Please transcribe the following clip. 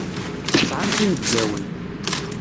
Sɛant inebgawen.